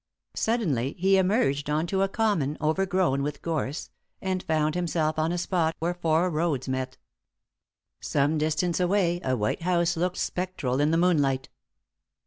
Suddenly he emerged on to a common overgrown with gorse, and found himself on a spot where four roads met. Some distance away a white house looked spectral in the moonlight.